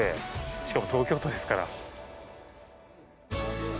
しかも東京都ですから。